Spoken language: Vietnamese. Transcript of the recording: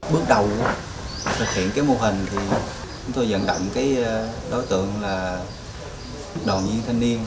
bước đầu thực hiện cái mô hình thì chúng tôi dẫn động cái đối tượng là đoàn viên thanh niên